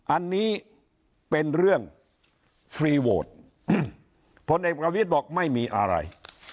อันนี้เป็นเรื่องฟรีโวทพลเอกประวิทย์บอกไม่มีอะไร